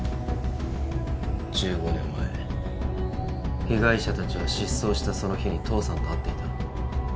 １５年前被害者たちは失踪したその日に父さんと会っていた。